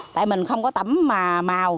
tại mình không có tẩm mà màu